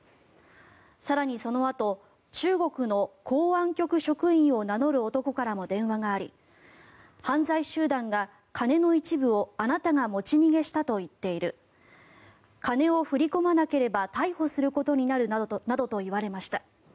更にそのあと中国の公安局職員を名乗る男からも電話があり犯罪集団が金の一部をあなたが持ち逃げしたと言っている金を振り込まなければ逮捕することになるなどと言われました。